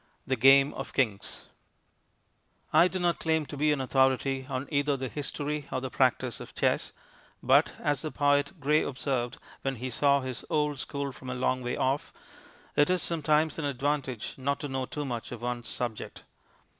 The Game of Kings I do not claim to be an authority on either the history or the practice of chess, but, as the poet Gray observed when he saw his old school from a long way off, it is sometimes an advantage not to know too much of one's subject.